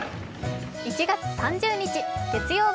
１月３０日月曜日。